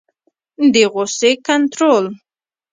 د غصې کنټرول